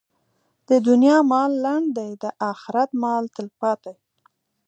د دنیا مال لنډ دی، د اخرت مال تلپاتې.